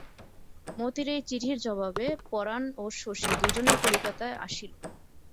মতির এই চিঠির জবাবে পরাণ ও শশী দুজনেই কলিকাতা আসিল।